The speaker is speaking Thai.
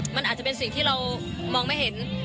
มันอาจจะเป็นสิ่งที่เรามองไม่เห็น